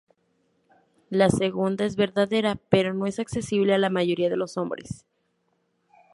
La segunda es verdadera, pero no es accesible a la mayoría de los hombres.